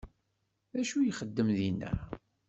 D acu ixeddem dinna?